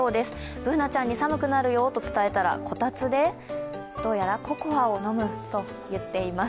Ｂｏｏｎａちゃんに寒くなるよと伝えたら、こたつで、どうやらココアを飲むと言っています。